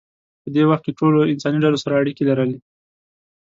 په دې وخت کې ټولو انساني ډلو سره اړیکې لرلې.